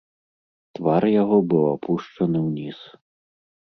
Твар яго быў апушчаны ўніз.